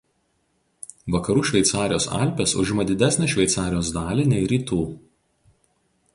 Vakarų Šveicarijos Alpės užima didesnę Šveicarijos dalį nei Rytų.